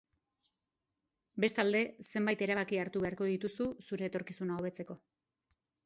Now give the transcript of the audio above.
Bestalde, zenbait erabaki hartu beharko dituzu zure etorkizuna hobetzeko.